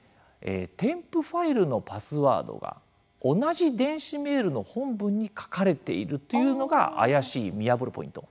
添付ファイルのパスワードが同じ電子メールの本文に書かれているというのが怪しい見破るポイント。